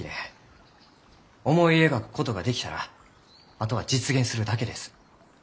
思い描くことができたらあとは実現するだけです。